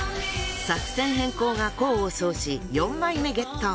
作戦変更が功を奏し４枚目ゲット。